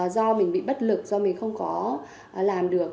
do mình bị bất lực do mình không có làm được